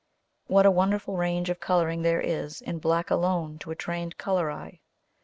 What a wonderful range of colouring there is in black alone to a trained colour eye!